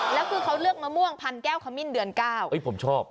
แล้วคือเขาเลือกมะม่วงพันแก้วขมิ้นเดือน๙ผมชอบ